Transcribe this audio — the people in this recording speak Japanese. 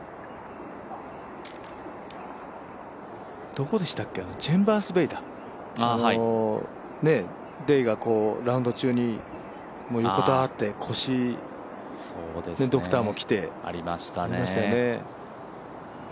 どこでしたっけ、チェンバーズ・ベイだ、デイがラウンド中に横たわって、腰ドクターも来てありましたね。